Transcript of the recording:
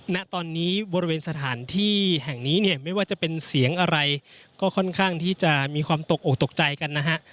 ณตอนนี้บริเวณสถานที่แห่งนี้เนี่ยไม่ว่าจะเป็นเสียงอะไรก็ค่อนข้างที่จะมีความตกออกตกใจกันนะฮะ